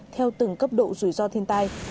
theo từng cấp độ rủi ro thiên tai